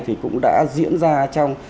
thì cũng đã diễn ra trong